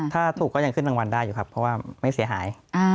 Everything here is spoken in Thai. ถ้าถูกก็ยังขึ้นรางวัลได้อยู่ครับเพราะว่าไม่เสียหาย